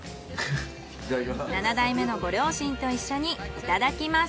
７代目のご両親と一緒にいただきます。